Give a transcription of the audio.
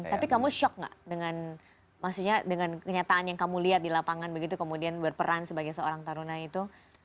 tapi kamu shock gak dengan maksudnya dengan kenyataan yang kamu lihat di lapangan begitu kemudian berperan sebagai seorang taruna itu